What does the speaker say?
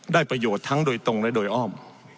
ได้ประโยชน์ทั้งโดยตรงและโดยอ้อม